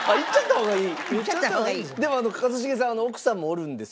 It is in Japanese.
でも一茂さん奥さんもおるんです。